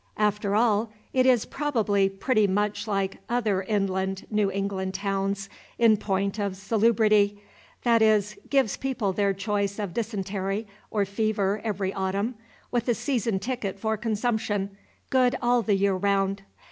After all, it is probably pretty much like other inland New England towns in point of "salubrity," that is, gives people their choice of dysentery or fever every autumn, with a season ticket for consumption, good all the year round.